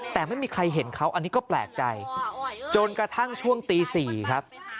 แต่ไม่มีใครเห็นเขาอันนี้ก็แปลกใจจนกระทั่งช่วงตี๔ครับ